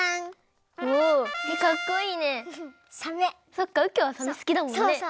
そっかうきょうはサメすきだもんね。